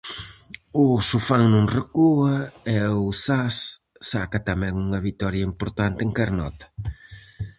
O Sofán non recúa, e o Zas saca tamén unha vitoria importante en Carnota.